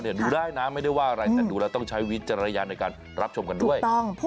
ดูได้นะไม่ได้ว่าอะไรแต่ดูแล้วต้องใช้วิจารณญาณในการรับชมกันด้วย